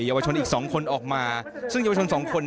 ยาวชนอีก๒คนออกมาซึ่งเยาวชนสองคน